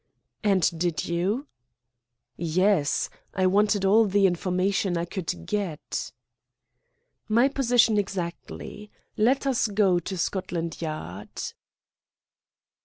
"And did you?" "Yes; I wanted all the information I could get." "My position exactly. Let us go to Scotland Yard."